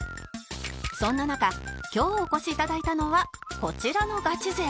そんな中今日お越し頂いたのはこちらのガチ勢